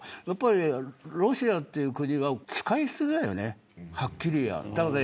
やっぱり、ロシアっていう国は使い捨てだよねはっきり言えば。